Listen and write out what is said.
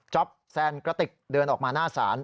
แซนกระติกเดินออกมาหน้าศาล